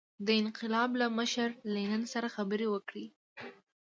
د انقلاب له مشر لینین سره خبرې وکړي.